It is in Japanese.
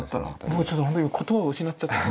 もうちょっとほんとに言葉を失っちゃった。